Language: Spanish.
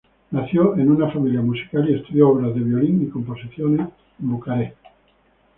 Nació en una familia musical y estudió obras de violín y composiciones en Bucarest.